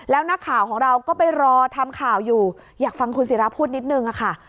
แล้วนักข่าวของเราก็ไปรอทำข่าวอยู่อยากฟังคุณศิราพูดนิดนึงค่ะ